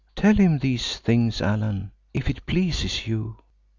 Tell him these things, Allan, if it pleases you."